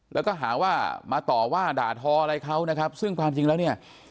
แล้วก็หาว่ามาต่อว่าด่าทออะไรเขานะครับซึ่งความจริงแล้วเนี่ย